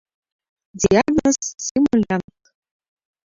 Диагноз: симулянт.